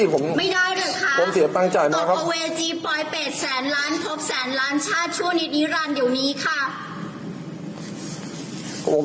ขึ้นไม่ได้ค่ะผมจ่ายตังค์มาค่ะพี่หนูต้องสารคุณผู้นะคะ